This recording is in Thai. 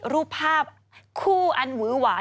รูปภาพคู่อันหวือหวาย